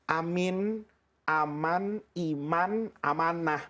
amin aman iman amanah